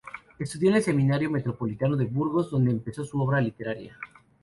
Estudió en el Seminario Metropolitano de Burgos, donde empezó su obra literaria.